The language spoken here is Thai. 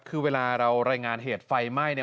คือเวลาเรารายงานเหตุไฟไหม้เนี่ย